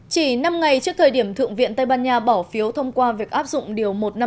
chỉ năm ngày trước thời điểm thượng viện tây ban nha bỏ phiếu thông qua việc áp dụng điều một trăm năm mươi